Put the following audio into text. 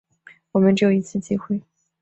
我们只有一次机会